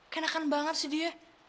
kenakan banget sih dia